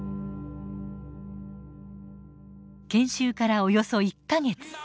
研修からおよそ１か月。